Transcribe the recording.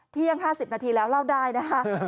เที่ยง๕๐นาทีแล้วเล่าได้นะคะ